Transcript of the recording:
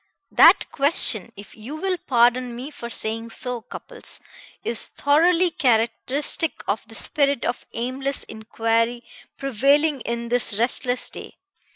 "That question, if you will pardon me for saying so, Cupples, is thoroughly characteristic of the spirit of aimless inquiry prevailing in this restless day.